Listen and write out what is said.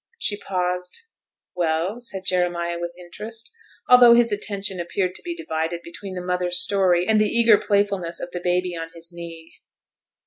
She paused. 'Well?' said Jeremiah, with interest; although his attention appeared to be divided between the mother's story and the eager playfulness of the baby on his knee.